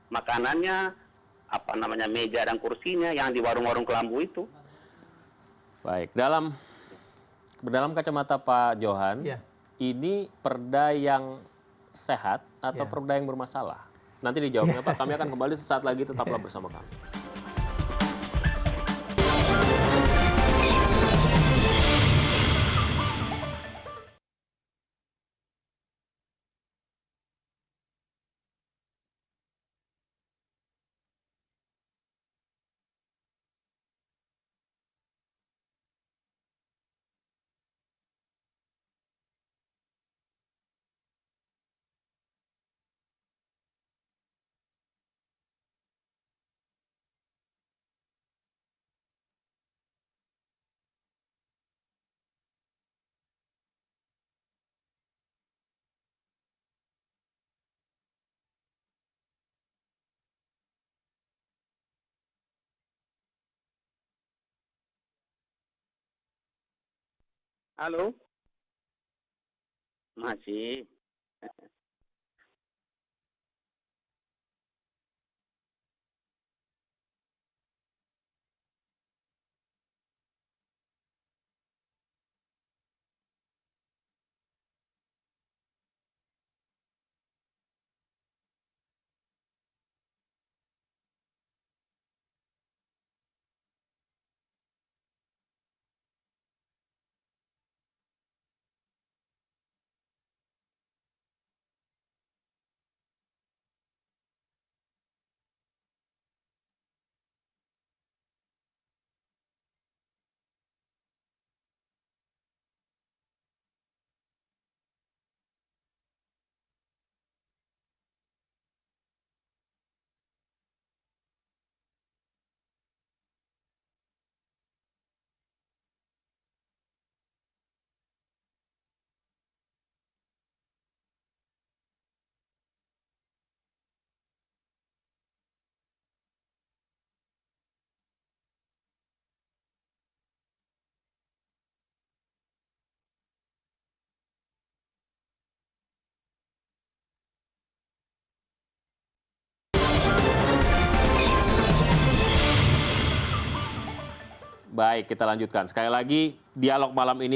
muslimnya orang beragama islam di perda tersebut secara letter luck dijelaskan